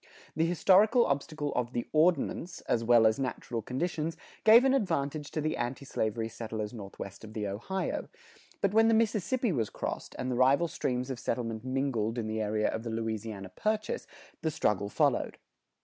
The historical obstacle of the Ordinance, as well as natural conditions, gave an advantage to the anti slavery settlers northwest of the Ohio; but when the Mississippi was crossed, and the rival streams of settlement mingled in the area of the Louisiana Purchase, the struggle followed.